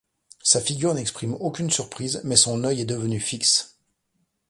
Sa figure n’exprime aucune surprise, mais son œil est devenu fixe.